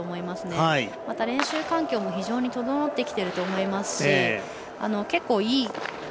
また、練習環境も非常に整ってきてると思います。